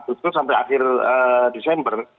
itu sampai akhir desember